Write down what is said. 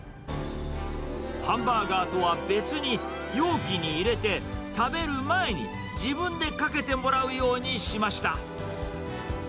ハンバーガーとは別に、容器に入れて食べる前に、自分でかけてもらうようにしました。